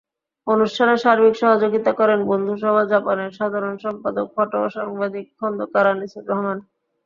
অনুষ্ঠানে সার্বিক সহযোগিতা করেন বন্ধুসভা জাপানের সাধারণ সম্পাদক ফটোসাংবাদিক খন্দকার আনিসুর রহমান।